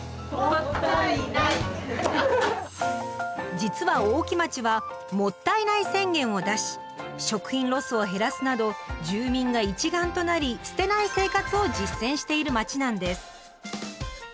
実は大木町は「もったいない宣言」を出し食品ロスを減らすなど住民が一丸となり捨てない生活を実践している町なんです。